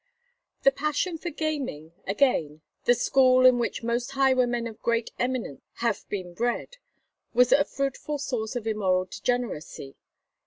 The passion for gaming, again, "the school in which most highwaymen of great eminence have been bred," was a fruitful source of immoral degeneracy.